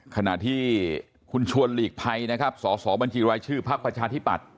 ขณะที่คุณชวนหลีกภัยนะครับสสบัญชีรายชื่อพักประชาธิปัตย